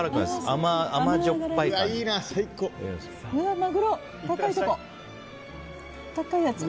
甘じょっぱい感じ。